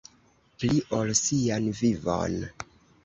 Pli ol sian vivon.